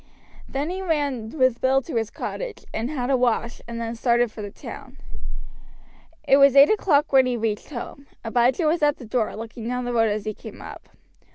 Then he ran with Bill to his cottage and had a wash, and then started for the town. It was eight o'clock when he reached home. Abijah was at the door, looking down the road as he came up.